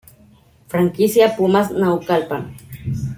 Franquicia Pumas Naucalpan